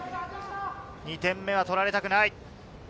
２点目は取られたくない。